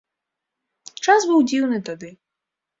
Час быў дзіўны тады.